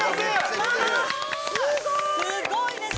すごいです。